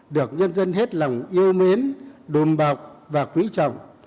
được nhân dân hết lòng yêu mến đùm bọc và quý trọng